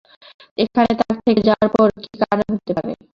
এখানে তার থেকে যাওয়ার কী কারণ হতে পারে?